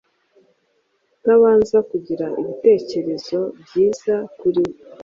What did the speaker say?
utabanza kugira ibitekrezo byiza kuri we.